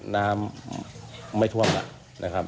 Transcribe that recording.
น้ำไม่ท่วมนะครับ